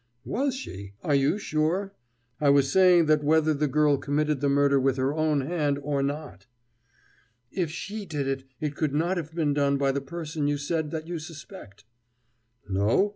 "Was she? Are you sure? I was saying that whether the girl committed the murder with her own hand or not " "If she did, it could not have been done by the person you said that you suspect!" "No?